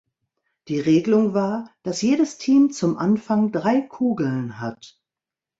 Die Regelung war, dass jedes Team zum Anfang drei Kugeln hat.